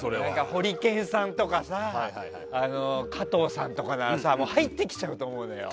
ホリケンさんとかなら加藤さんとかなら入ってきちゃうと思うのよ。